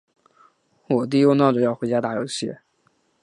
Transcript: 我弟又闹着要回家打游戏。